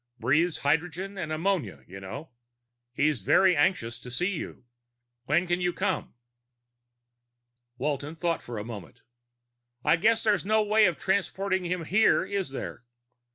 Breathes hydrogen and ammonia, you know. He's very anxious to see you. When can you come?" Walton thought for a moment. "I guess there's no way of transporting him here, is there?"